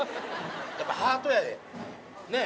やっぱハートやで。